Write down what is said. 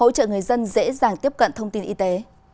giúp đỡ người dân dễ dàng tiếp cận thông tin y tế